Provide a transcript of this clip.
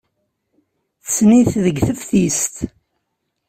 Tessen-it deg teftist.